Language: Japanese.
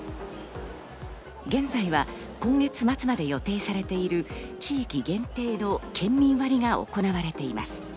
現在は今月末まで予定されている地域限定の県民割が行われています。